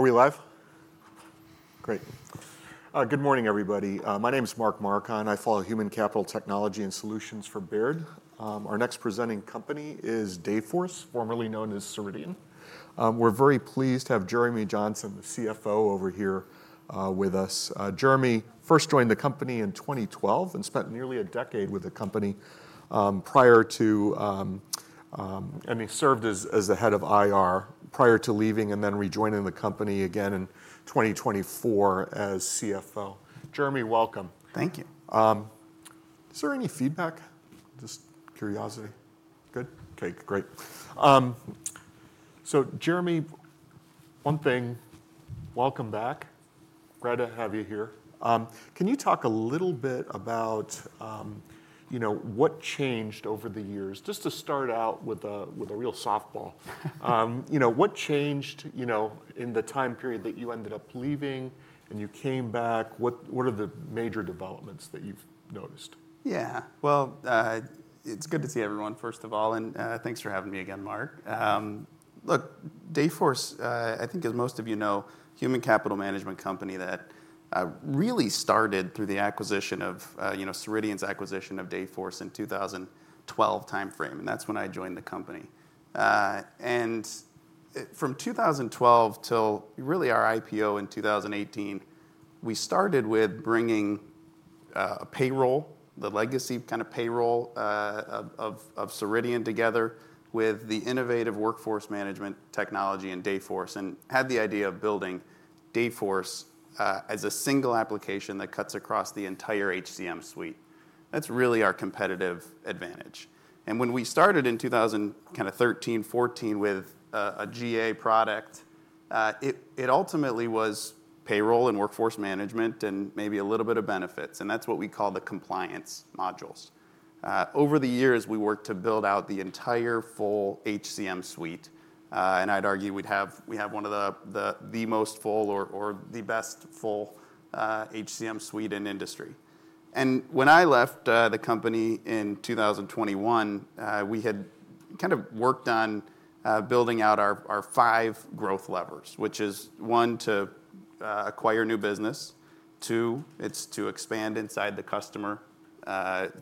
Are we live? Great. Good morning, everybody. My name is Mark Marcon, and I follow human capital technology and solutions for Baird. Our next presenting company is Dayforce, formerly known as Ceridian. We're very pleased to have Jeremy Johnson, the CFO, over here, with us. Jeremy first joined the company in 2012 and spent nearly a decade with the company, prior to, and he served as the head of IR prior to leaving and then rejoining the company again in 2024 as CFO. Jeremy, welcome. Thank you. Is there any feedback? Just curiosity. Good? Okay, great. So Jeremy, one thing, welcome back. Great to have you here. Can you talk a little bit about, you know, what changed over the years? Just to start out with a real softball. You know, what changed, you know, in the time period that you ended up leaving, and you came back? What are the major developments that you've noticed? Yeah. Well, it's good to see everyone, first of all, and, thanks for having me again, Mark. Look, Dayforce, I think as most of you know, human capital management company that really started through the acquisition of, you know, Ceridian's acquisition of Dayforce in 2012 timeframe, and that's when I joined the company. And from 2012 till really our IPO in 2018, we started with bringing a payroll, the legacy kind of payroll of Ceridian together with the innovative workforce management technology in Dayforce, and had the idea of building Dayforce as a single application that cuts across the entire HCM suite. That's really our competitive advantage. When we started in 2013 or 2014 with a GA product, it ultimately was payroll and workforce management and maybe a little bit of benefits, and that's what we call the compliance modules. Over the years, we worked to build out the entire full HCM suite, and I'd argue we have one of the most full or the best full HCM suite in industry. When I left the company in 2021, we had kind of worked on building out our five growth levers, which is one, to acquire new business. Two, it's to expand inside the customer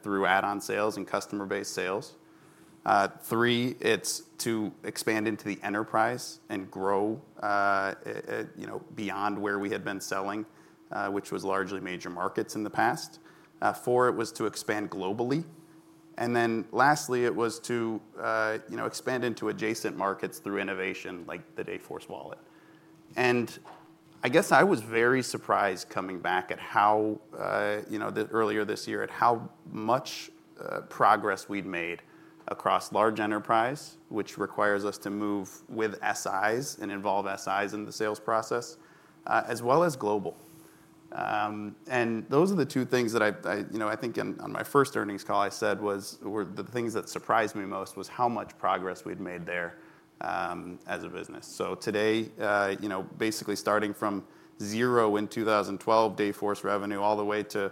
through add-on sales and customer base sales. Three, it's to expand into the enterprise and grow, you know, beyond where we had been selling, which was largely major markets in the past. Four, it was to expand globally. And then lastly, it was to, you know, expand into adjacent markets through innovation, like the Dayforce Wallet. And I guess I was very surprised coming back at how, you know, the earlier this year, at how much progress we'd made across large enterprise, which requires us to move with SIs and involve SIs in the sales process, as well as global. And those are the two things that I, you know, I think on my first earnings call, I said was. were the things that surprised me most was how much progress we'd made there, as a business. So today, you know, basically starting from zero in 2012, Dayforce revenue all the way to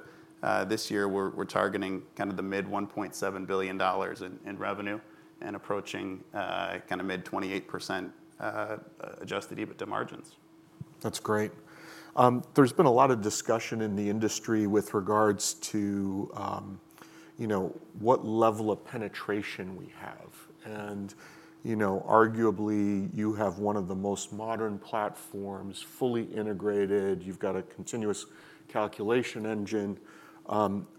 this year, we're targeting kind of the mid-$1.7 billion in revenue, and approaching kind of mid-28% adjusted EBITDA margins. That's great. There's been a lot of discussion in the industry with regards to, you know, what level of penetration we have. And, you know, arguably, you have one of the most modern platforms, fully integrated. You've got a continuous calculation engine.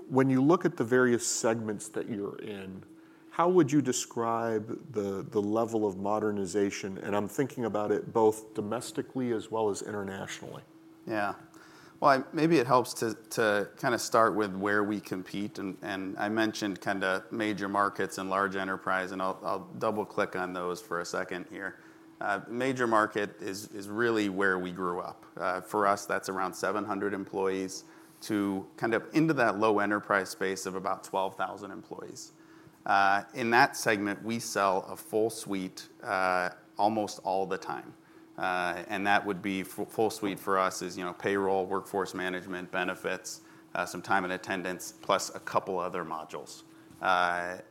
When you look at the various segments that you're in, how would you describe the, the level of modernization? And I'm thinking about it both domestically as well as internationally. Yeah. Well, maybe it helps to kind of start with where we compete, and I mentioned kind of major markets and large enterprise, and I'll double-click on those for a second here. Major market is really where we grew up. For us, that's around 700 employees to kind of into that low enterprise space of about 12,000 employees. In that segment, we sell a full suite almost all the time, and that would be full suite for us is, you know, payroll, workforce management, benefits, some time and attendance, plus a couple other modules.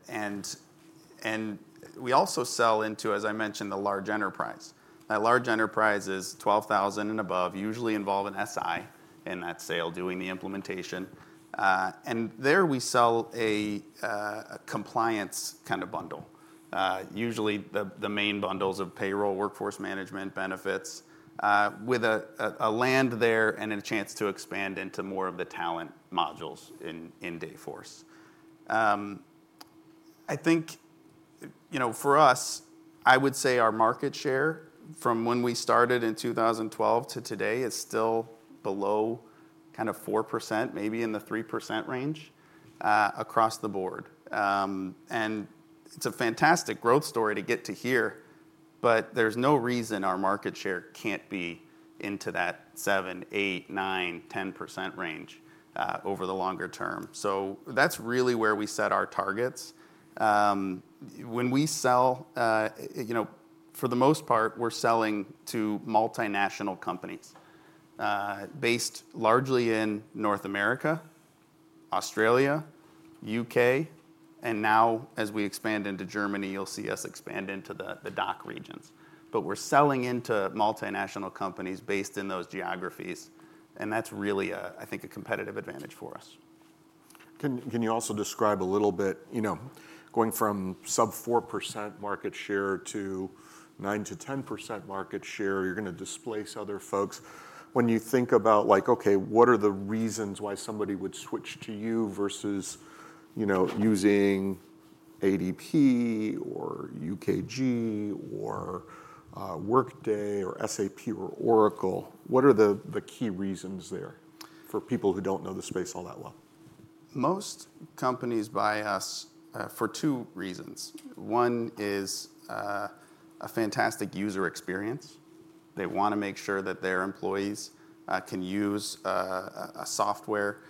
And we also sell into, as I mentioned, the large enterprise. Now, large enterprise is 12,000 and above, usually involve an SI in that sale, doing the implementation. And there we sell a compliance kind of bundle. Usually the main bundles of payroll, workforce management, benefits, with a land there and a chance to expand into more of the talent modules in Dayforce. I think, you know, for us, I would say our market share from when we started in 2012 to today is still below kind of 4%, maybe in the 3% range, across the board. It's a fantastic growth story to get to here, but there's no reason our market share can't be into that 7%-10% range over the longer term. So that's really where we set our targets. When we sell, you know, for the most part, we're selling to multinational companies, based largely in North America, Australia, U.K., and now as we expand into Germany, you'll see us expand into the DACH regions. But we're selling into multinational companies based in those geographies, and that's really a, I think, a competitive advantage for us. Can you also describe a little bit, you know, going from sub 4% market share to 9%-10% market share, you're going to displace other folks. When you think about like, okay, what are the reasons why somebody would switch to you versus, you know, using ADP or UKG or Workday or SAP or Oracle? What are the key reasons there for people who don't know the space all that well? Most companies buy us for two reasons. One is a fantastic user experience. They want to make sure that their employees can use a software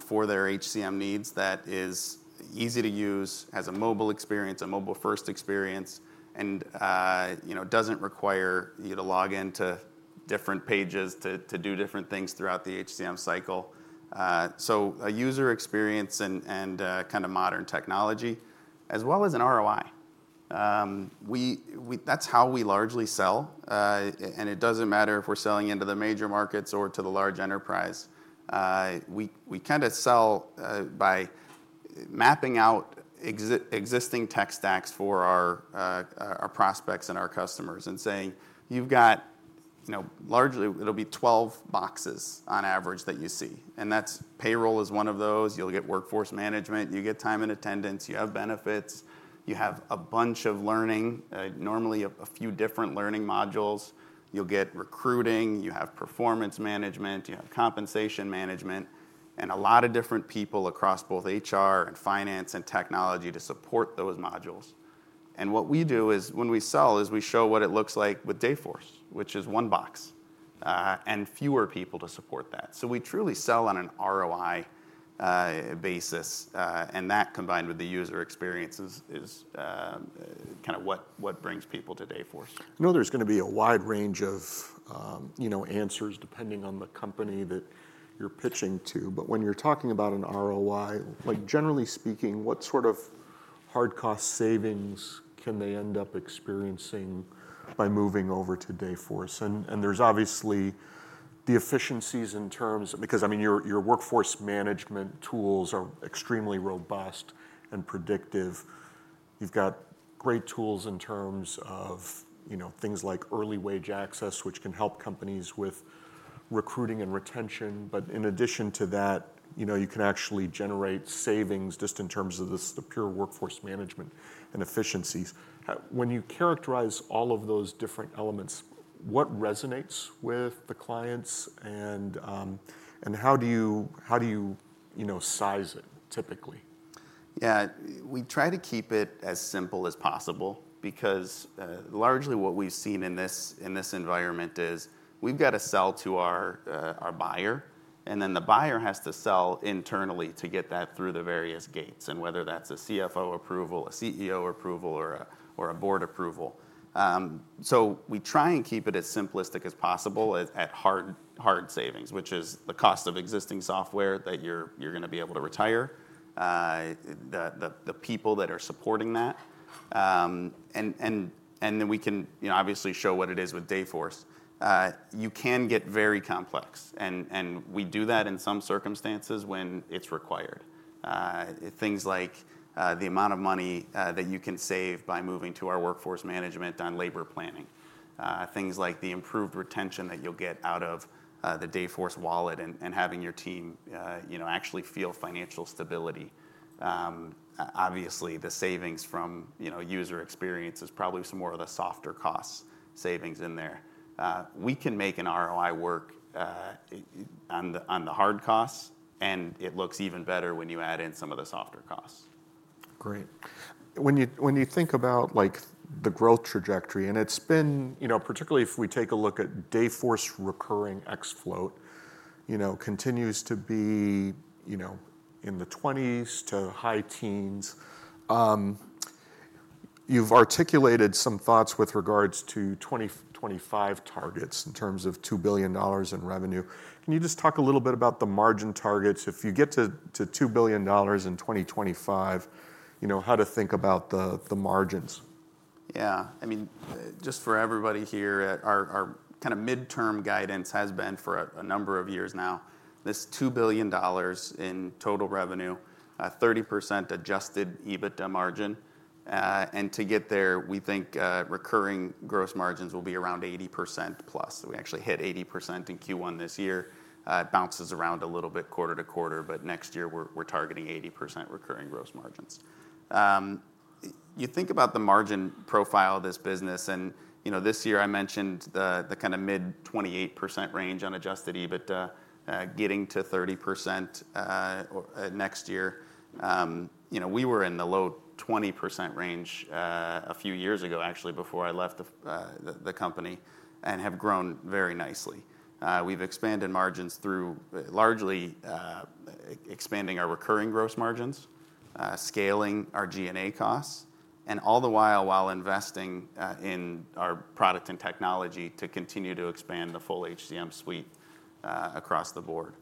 for their HCM needs that is easy to use, has a mobile experience, a mobile-first experience, and, you know, doesn't require you to log in to different pages to do different things throughout the HCM cycle. So a user experience and kind of modern technology, as well as an ROI. That's how we largely sell, and it doesn't matter if we're selling into the major markets or to the large enterprise. We, we kind of sell by mapping out existing tech stacks for our prospects and our customers and saying, "You've got." You know, largely it'll be 12 boxes on average that you see, and that's payroll is one of those. You'll get workforce management, you get time and attendance, you have benefits, you have a bunch of learning, normally a few different learning modules. You'll get recruiting, you have performance management, you have compensation management, and a lot of different people across both HR and finance and technology to support those modules. And what we do is when we sell is we show what it looks like with Dayforce, which is one box, and fewer people to support that. So we truly sell on an ROI basis, and that, combined with the user experience, is kind of what brings people to Dayforce. I know there's going to be a wide range of, you know, answers depending on the company that you're pitching to, but when you're talking about an ROI, like generally speaking, what sort of hard cost savings can they end up experiencing by moving over to Dayforce? And there's obviously the efficiencies because, I mean, your workforce management tools are extremely robust and predictive. You've got great tools in terms of, you know, things like early wage access, which can help companies with recruiting and retention. But in addition to that, you know, you can actually generate savings just in terms of the pure workforce management and efficiencies. When you characterize all of those different elements, what resonates with the clients and, and how do you, how do you, you know, size it typically? Yeah, we try to keep it as simple as possible because largely what we've seen in this, in this environment is we've got to sell to our buyer, and then the buyer has to sell internally to get that through the various gates, and whether that's a CFO approval, a CEO approval, or a board approval. So we try and keep it as simplistic as possible at hard savings, which is the cost of existing software that you're going to be able to retire, the people that are supporting that. And then we can, you know, obviously show what it is with Dayforce. You can get very complex, and we do that in some circumstances when it's required. Things like the amount of money that you can save by moving to our workforce management on labor planning. Things like the improved retention that you'll get out of the Dayforce Wallet and having your team, you know, actually feel financial stability. Obviously, the savings from, you know, user experience is probably some more of the softer costs savings in there. We can make an ROI work on the hard costs, and it looks even better when you add in some of the softer costs. Great. When you, when you think about, like, the growth trajectory, and it's been—you know, particularly if we take a look at Dayforce recurring revenue, you know, continues to be, you know, in the 20s to high teens. You've articulated some thoughts with regards to 2025 targets in terms of $2 billion in revenue. Can you just talk a little bit about the margin targets if you get to, to $2 billion in 2025, you know, how to think about the, the margins? Yeah. I mean, just for everybody here at our, our kind of midterm guidance has been for a, a number of years now, this $2 billion in total revenue, thirty percent adjusted EBITDA margin. And to get there, we think, recurring gross margins will be around 80%+. We actually hit 80% in Q1 this year. It bounces around a little bit quarter-to-quarter, but next year we're, we're targeting 80% recurring gross margins. You think about the margin profile of this business, and, you know, this year I mentioned the, the kind of mid-28% range on adjusted EBITDA, getting to 30%, next year. You know, we were in the low-20% range, a few years ago, actually, before I left the, the, the company, and have grown very nicely. We've expanded margins through largely expanding our recurring gross margins, scaling our G&A costs, and all the while, while investing in our product and technology to continue to expand the full HCM suite across the board.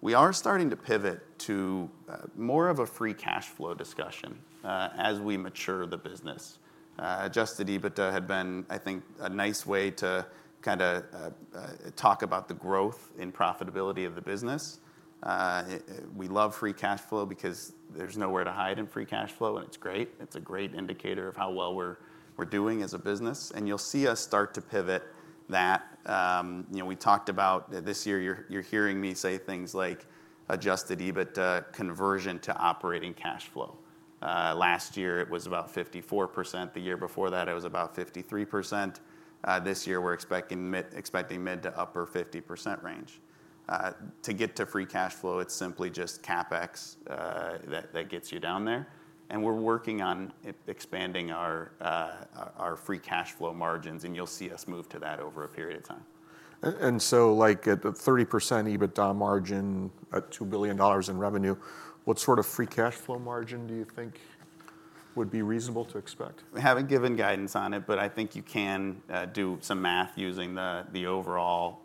We are starting to pivot to more of a free cash flow discussion as we mature the business. Adjusted EBITDA had been, I think, a nice way to kind of talk about the growth and profitability of the business. We love free cash flow because there's nowhere to hide in free cash flow, and it's great. It's a great indicator of how well we're, we're doing as a business, and you'll see us start to pivot that. You know, we talked about. This year, you're, you're hearing me say things like Adjusted EBITDA conversion to operating cash flow. Last year, it was about 54%, the year before that, it was about 53%. This year, we're expecting mid- to upper-50% range. To get to free cash flow, it's simply just CapEx that gets you down there, and we're working on expanding our free cash flow margins, and you'll see us move to that over a period of time. And so, like at a 30% EBITDA margin at $2 billion in revenue, what sort of free cash flow margin do you think would be reasonable to expect? We haven't given guidance on it, but I think you can do some math using the overall,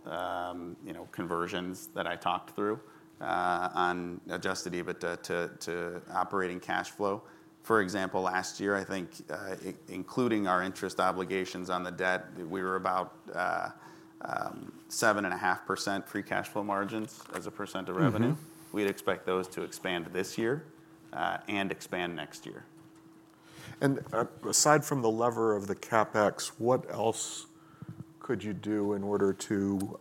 you know, conversions that I talked through on Adjusted EBITDA to operating cash flow. For example, last year, I think, including our interest obligations on the debt, we were about 7.5% free cash flow margins as a percent of revenue. Mm-hmm. We'd expect those to expand this year, and expand next year. Aside from the lever of the CapEx, what else could you do in order to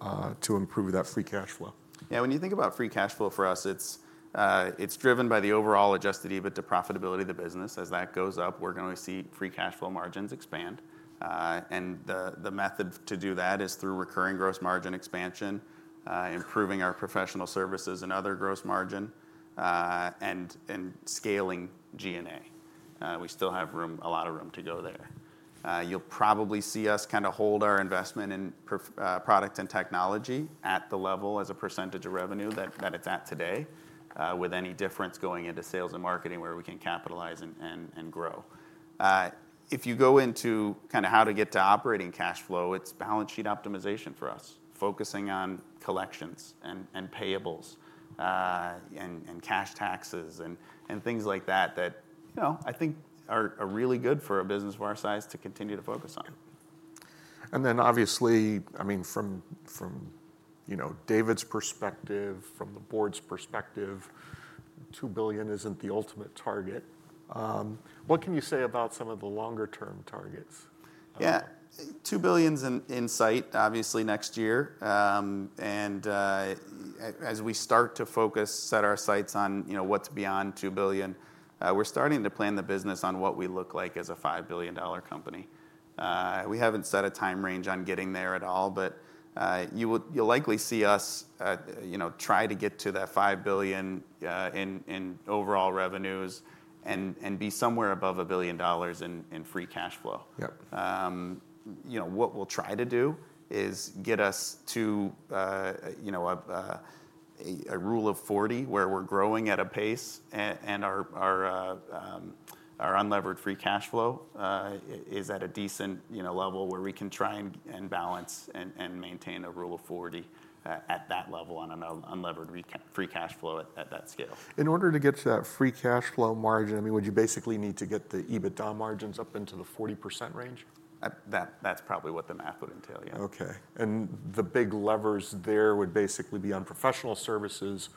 improve that free cash flow? Yeah, when you think about free cash flow for us, it's, it's driven by the overall Adjusted EBITDA profitability of the business. As that goes up, we're going to see free cash flow margins expand. And the, the method to do that is through recurring gross margin expansion, improving our professional services and other gross margin, and, and scaling G&A. We still have room, a lot of room to go there. You'll probably see us kind of hold our investment in pro-, product and technology at the level as a percentage of revenue that, that it's at today, with any difference going into sales and marketing, where we can capitalize and, and, and grow. If you go into kind of how to get to operating cash flow, it's balance sheet optimization for us, focusing on collections and payables, and cash taxes, and things like that that, you know, I think are really good for a business of our size to continue to focus on. Then, obviously, I mean, from you know, David's perspective, from the board's perspective, $2 billion isn't the ultimate target. What can you say about some of the longer term targets? Yeah. $2 billion's in sight, obviously, next year. And as we start to focus, set our sights on, you know, what's beyond $2 billion, we're starting to plan the business on what we look like as a $5 billion-dollar company. We haven't set a time range on getting there at all, but you would- you'll likely see us, you know, try to get to that $5 billion in overall revenues and be somewhere above $1 billion in free cash flow. Yep. You know, what we'll try to do is get us to, you know, a Rule of 40, where we're growing at a pace, and our our unlevered free cash flow is at a decent, you know, level where we can try and and maintain a Rule of 40 at that level on an unlevered free cash flow at that scale. In order to get to that free cash flow margin, I mean, would you basically need to get the EBITDA margins up into the 40% range? That's probably what the math would entail, yeah. Okay. The big levers there would basically be on professional services.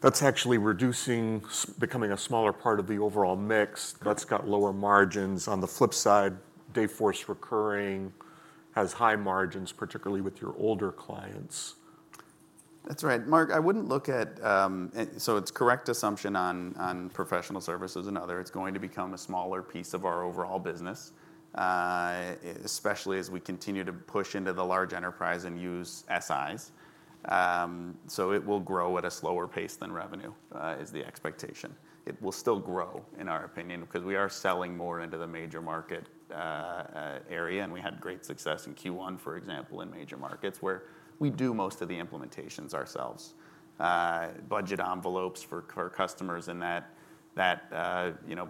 That's actually reducing, becoming a smaller part of the overall mix- Yep That's got lower margins. On the flip side, Dayforce recurring has high margins, particularly with your older clients. That's right. Mark, I wouldn't look at. So it's correct assumption on professional services and other, it's going to become a smaller piece of our overall business, especially as we continue to push into the large enterprise and use SIs. So it will grow at a slower pace than revenue is the expectation. It will still grow, in our opinion, because we are selling more into the major market area, and we had great success in Q1, for example, in major markets, where we do most of the implementations ourselves. Budget envelopes for our customers in that you know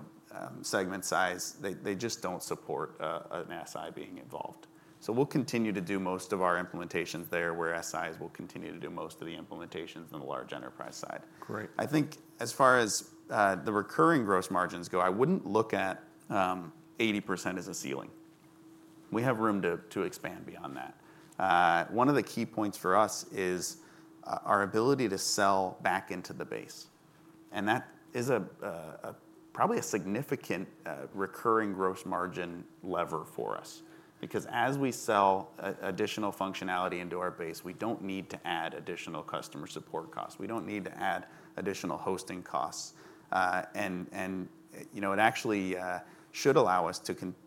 segment size, they just don't support an SI being involved. So we'll continue to do most of our implementations there, where SIs will continue to do most of the implementations on the large enterprise side. Great. I think as far as the recurring gross margins go, I wouldn't look at 80% as a ceiling. We have room to expand beyond that. One of the key points for us is our ability to sell back into the base, and that is a probably a significant recurring gross margin lever for us. Because as we sell additional functionality into our base, we don't need to add additional customer support costs, we don't need to add additional hosting costs. And you know, it actually should allow us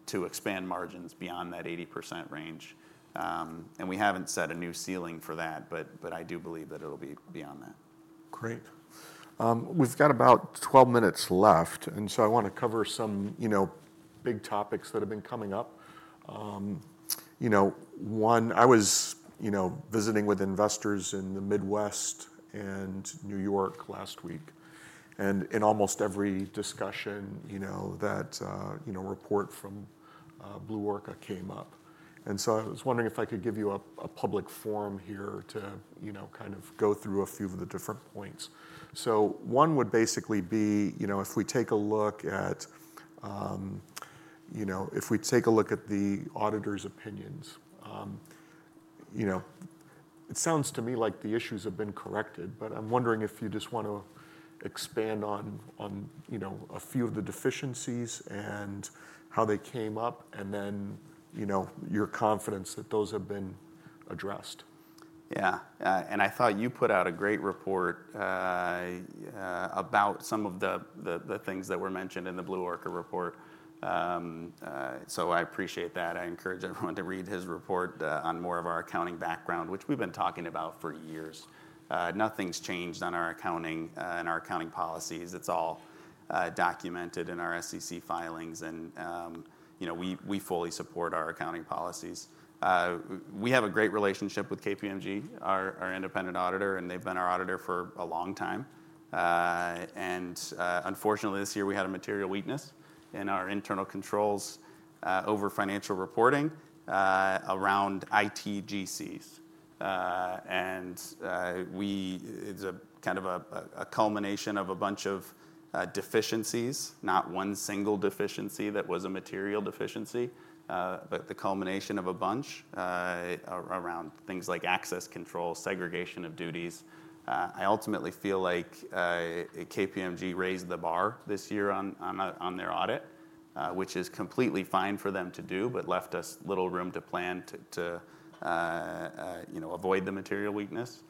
to expand margins beyond that 80% range. And we haven't set a new ceiling for that, but I do believe that it'll be beyond that. Great. We've got about 12 minutes left, and so I want to cover some, you know, big topics that have been coming up. You know, one, I was, you know, visiting with investors in the Midwest and New York last week, and in almost every discussion, you know, that, you know, report from Blue Orca came up, and so I was wondering if I could give you a public forum here to, you know, kind of go through a few of the different points. So one would basically be, you know, if we take a look at the auditors' opinions, you know, it sounds to me like the issues have been corrected, but I'm wondering if you just want to expand on, on, you know, a few of the deficiencies and how they came up, and then, you know, your confidence that those have been addressed. Yeah. And I thought you put out a great report about some of the things that were mentioned in the Blue Orca report. So I appreciate that. I encourage everyone to read his report on more of our accounting background, which we've been talking about for years. Nothing's changed on our accounting and our accounting policies. It's all documented in our SEC filings, and, you know, we fully support our accounting policies. We have a great relationship with KPMG, our independent auditor, and they've been our auditor for a long time. And unfortunately, this year we had a material weakness in our internal controls over financial reporting around ITGCs. And it's a kind of a culmination of a bunch of deficiencies, not one single deficiency that was a material deficiency, but the culmination of a bunch around things like access control, segregation of duties. I ultimately feel like KPMG raised the bar this year on their audit, which is completely fine for them to do, but left us little room to plan to, you know, avoid the material weakness.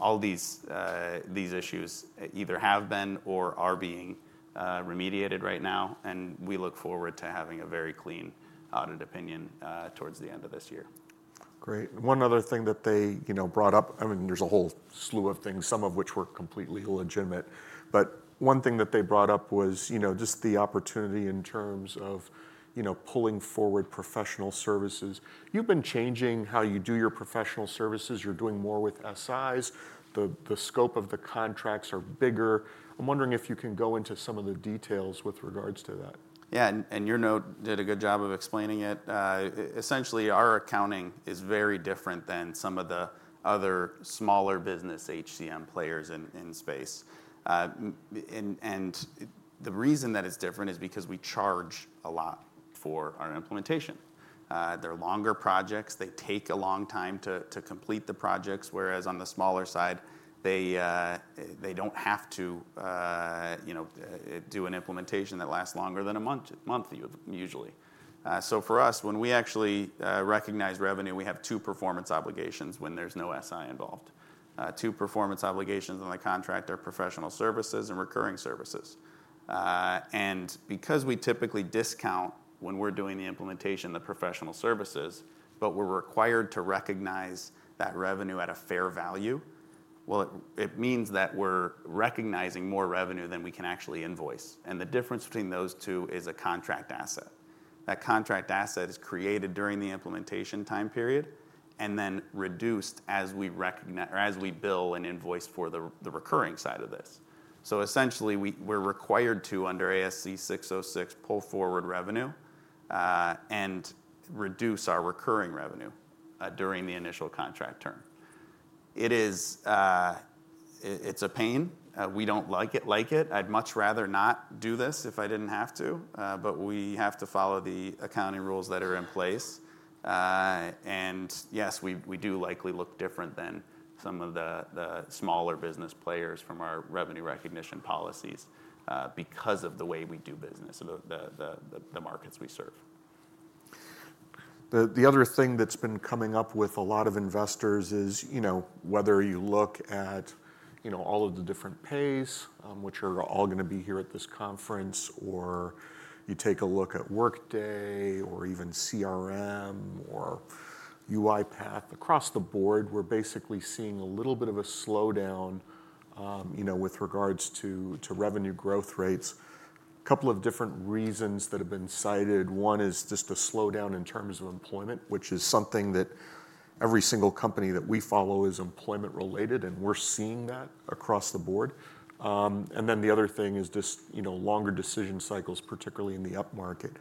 All these issues either have been or are being remediated right now, and we look forward to having a very clean audit opinion towards the end of this year. Great. One other thing that they, you know, brought up, I mean, there's a whole slew of things, some of which were completely legitimate. But one thing that they brought up was, you know, just the opportunity in terms of, you know, pulling forward professional services. You've been changing how you do your professional services. You're doing more with SIs. The scope of the contracts are bigger. I'm wondering if you can go into some of the details with regards to that. Yeah, and your note did a good job of explaining it. Essentially, our accounting is very different than some of the other smaller business HCM players in the space. And the reason that it's different is because we charge a lot for our implementation. They're longer projects, they take a long time to complete the projects, whereas on the smaller side, they don't have to, you know, do an implementation that lasts longer than a month usually. So for us, when we actually recognize revenue, we have two performance obligations when there's no SI involved. Two performance obligations on the contract are professional services and recurring services. And because we typically discount when we're doing the implementation, the professional services, but we're required to recognize that revenue at a fair value, well, it means that we're recognizing more revenue than we can actually invoice, and the difference between those two is a contract asset. That contract asset is created during the implementation time period, and then reduced or as we bill and invoice for the recurring side of this. So essentially, we're required to, under ASC 606, pull forward revenue, and reduce our recurring revenue, during the initial contract term. It is. it's a pain. We don't like it. I'd much rather not do this if I didn't have to, but we have to follow the accounting rules that are in place. And yes, we do likely look different than some of the smaller business players from our revenue recognition policies, because of the way we do business, the markets we serve. The other thing that's been coming up with a lot of investors is, you know, whether you look at, you know, all of the different peers, which are all going to be here at this conference, or you take a look at Workday, or even CRM, or UiPath, across the board, we're basically seeing a little bit of a slowdown, you know, with regards to, to revenue growth rates. Couple of different reasons that have been cited. One is just a slowdown in terms of employment, which is something that every single company that we follow is employment-related, and we're seeing that across the board. And then the other thing is just, you know, longer decision cycles, particularly in the upmarket.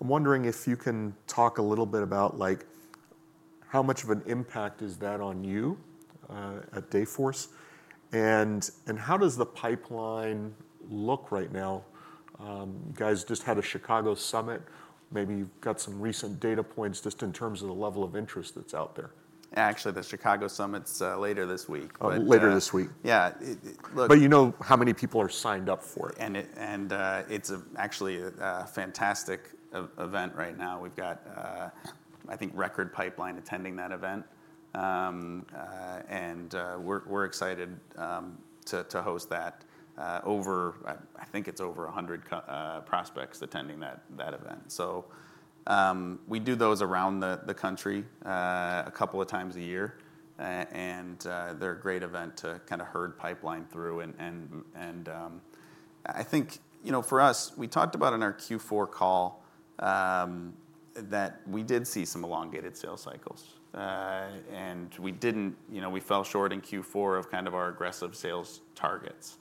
I'm wondering if you can talk a little bit about, like, how much of an impact is that on you, at Dayforce? How does the pipeline look right now? You guys just had a Chicago summit. Maybe you've got some recent data points just in terms of the level of interest that's out there. Actually, the Chicago summit's later this week, but- Later this week. Yeah. It. Look- But you know how many people are signed up for it. It's actually a fantastic event right now. We've got, I think, record pipeline attending that event. And we're excited to host that. Over, I think it's over 100 prospects attending that event. So we do those around the country a couple of times a year. And they're a great event to kind of herd pipeline through. And I think, you know, for us, we talked about in our Q4 call that we did see some elongated sales cycles. And we didn't, you know, we fell short in Q4 of kind of our aggressive sales targets.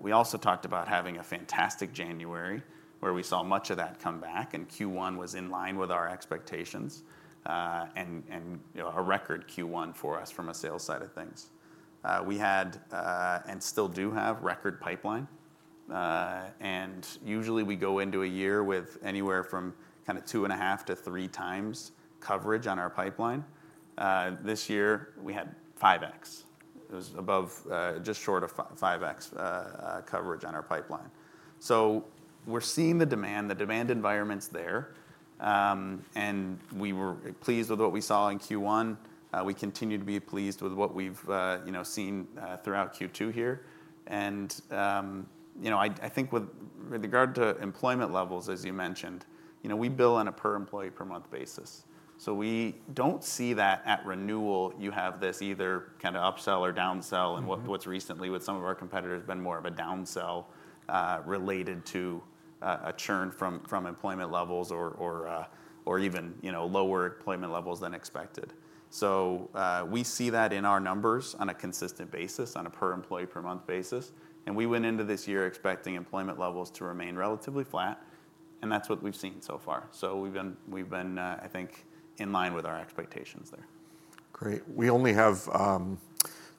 We also talked about having a fantastic January, where we saw much of that come back, and Q1 was in line with our expectations. And you know, a record Q1 for us from a sales side of things. We had, and still do have, record pipeline. And usually we go into a year with anywhere from kind of 2.5-3 times coverage on our pipeline. This year we had 5x. It was above, just short of 5x, coverage on our pipeline. So we're seeing the demand, the demand environment's there, and we were pleased with what we saw in Q1. We continue to be pleased with what we've, you know, seen, throughout Q2 here. And you know, I think with regard to employment levels, as you mentioned, you know, we bill on a per employee, per month basis. So we don't see that at renewal, you have this either kind of upsell or downsell- Mm-hmm. And what's recently, with some of our competitors, been more of a downsell, related to a churn from employment levels or even, you know, lower employment levels than expected. So, we see that in our numbers on a consistent basis, on a per employee, per month basis, and we went into this year expecting employment levels to remain relatively flat, and that's what we've seen so far. So we've been, I think, in line with our expectations there. Great. We only have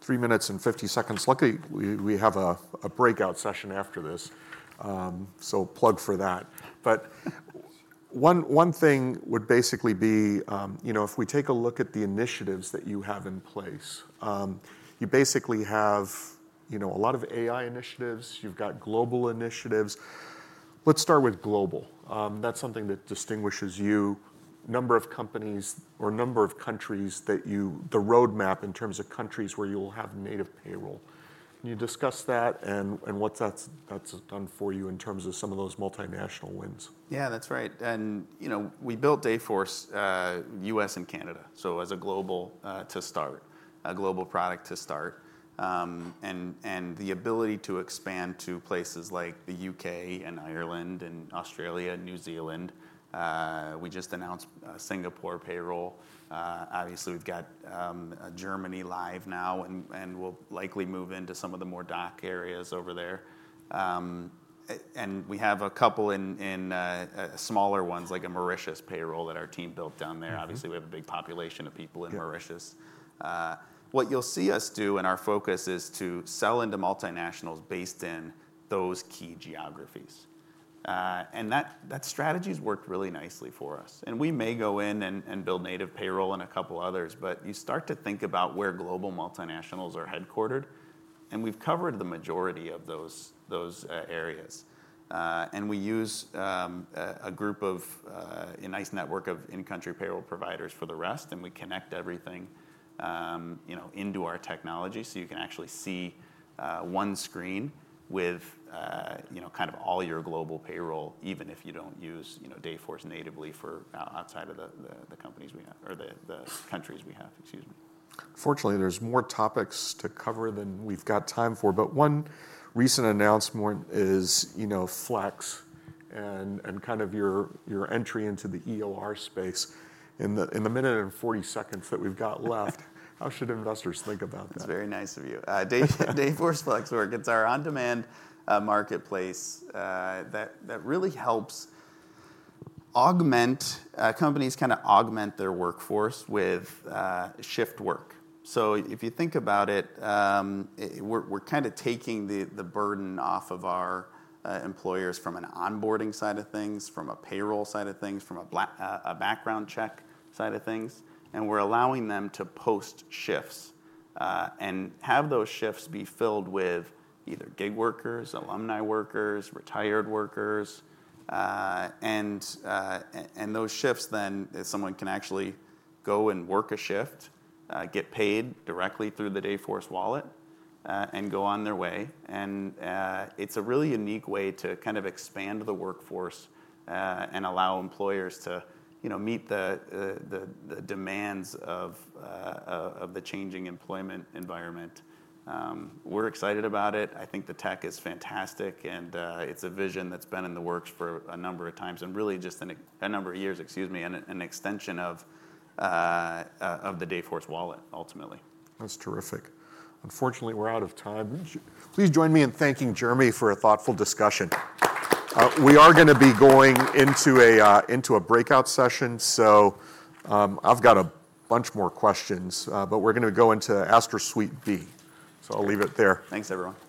3 minutes and 50 seconds. Luckily, we have a breakout session after this, so plug for that. But one thing would basically be, you know, if we take a look at the initiatives that you have in place, you basically have, you know, a lot of AI initiatives, you've got global initiatives. Let's start with global. That's something that distinguishes you. Number of companies or number of countries that you. The roadmap in terms of countries where you'll have native payroll. Can you discuss that and what that's done for you in terms of some of those multinational wins? Yeah, that's right. And, you know, we built Dayforce, U.S. and Canada, so as a global, to start, a global product to start. And, and the ability to expand to places like the U.K. and Ireland and Australia and New Zealand, we just announced, Singapore payroll. Obviously we've got, Germany live now, and, and we'll likely move into some of the more DACH areas over there. And we have a couple in, in, smaller ones, like a Mauritius payroll that our team built down there. Mm-hmm. Obviously, we have a big population of people in Mauritius. Yeah. What you'll see us do, and our focus is to sell into multinationals based in those key geographies. And that strategy's worked really nicely for us. And we may go in and build native payroll in a couple of others, but you start to think about where global multinationals are headquartered, and we've covered the majority of those areas. And we use a group of a nice network of in-country payroll providers for the rest, and we connect everything, you know, into our technology, so you can actually see one screen with, you know, kind of all your global payroll, even if you don't use, you know, Dayforce natively for outside of the companies we have, or the countries we have, excuse me. Unfortunately, there's more topics to cover than we've got time for, but one recent announcement is, you know, Flex, and kind of your entry into the EOR space. In the 1 minute and 40 seconds that we've got left—how should investors think about that? That's very nice of you. Dayforce Flex Work, it's our on-demand marketplace that really helps augment companies kind of augment their workforce with shift work. So if you think about it, we're kind of taking the burden off of our employers from an onboarding side of things, from a payroll side of things, from a background check side of things, and we're allowing them to post shifts and have those shifts be filled with either gig workers, alumni workers, retired workers. And those shifts then, someone can actually go and work a shift, get paid directly through the Dayforce Wallet and go on their way. It's a really unique way to kind of expand the workforce and allow employers to, you know, meet the demands of the changing employment environment. We're excited about it. I think the tech is fantastic, and it's a vision that's been in the works for a number of years, excuse me, and an extension of the Dayforce Wallet, ultimately. That's terrific. Unfortunately, we're out of time. Please join me in thanking Jeremy for a thoughtful discussion. We are gonna be going into a breakout session, so I've got a bunch more questions, but we're going to go into Astor Suite B, so I'll leave it there. Thanks, everyone.